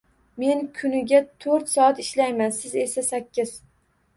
Men kuniga toʻrt soat ishlayman, siz esa sakkiz.